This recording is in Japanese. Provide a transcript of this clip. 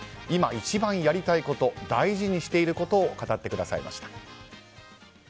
今、一番やりたいこと大事にしていることを語ってくださいました。